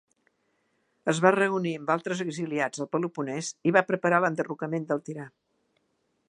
Es va reunir amb altres exiliats al Peloponès i va preparar l'enderrocament del tirà.